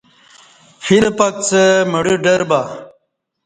فیل پکچہ مڑہ ڈر بہ